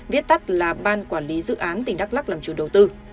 viết tắt là ban quản lý dự án tỉnh đắk lắc làm chủ đầu tư